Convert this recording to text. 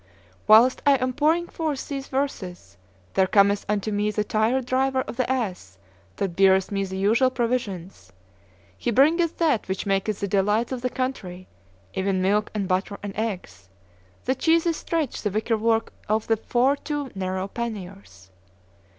Whilst I am pouring forth these verses, there cometh unto me the tired driver of the ass that beareth me the usual provisions: he bringeth that which maketh the delights of the country, even milk and butter and eggs; the cheeses stretch the wicker work of the far too narrow panniers.